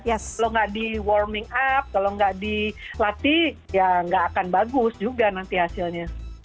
kalau nggak di warming up kalau nggak dilatih ya nggak akan bagus juga nanti hasilnya